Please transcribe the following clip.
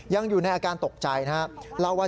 ยังอยู่ในอาการตกใจนะฮะเล่าว่า